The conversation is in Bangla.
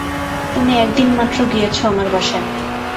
তুমি এক দিন মাত্র গিয়েছ আমার বাসায়।